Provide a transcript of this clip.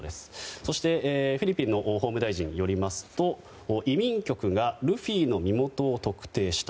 そして、フィリピンの法務大臣によりますと移民局がルフィの身元を特定した。